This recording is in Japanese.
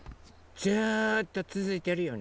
ずっとつづいてるよね。